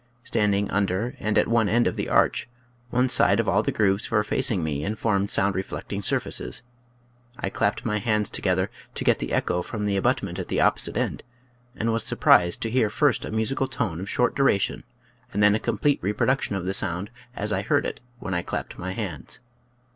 Standing un der and at one end of the arch, one side of all the grooves were facing me and formed sound reflecting surfaces. I clapped my hands together to get the echo from the abutment at the opposite end, and was surprised to hear first a musical tone of short duration and {^\, Original from :l< ~ UNIVERSITY OF WISCONSIN "Rotse and Auetc. 83 then a complete reproduction of the sound as I heard it when I clapped my hands.